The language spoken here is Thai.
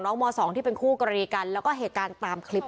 ม๒ที่เป็นคู่กรณีกันแล้วก็เหตุการณ์ตามคลิป